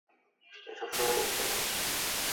এসব শুনানির জন্য।